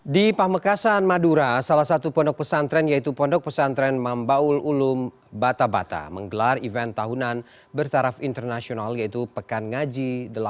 di pamekasan madura salah satu pondok pesantren yaitu pondok pesantren mambaul ulum bata bata menggelar event tahunan bertaraf internasional yaitu pekan ngaji delapan